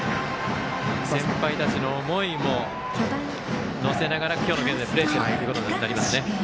先輩たちの思いも乗せながら今日のゲームプレーしているということになりますね。